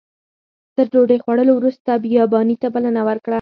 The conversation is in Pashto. تر ډوډۍ خوړلو وروسته بیاباني ته بلنه ورکړه.